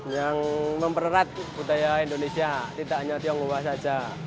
yang mempererat budaya indonesia tidak hanya tionghoa saja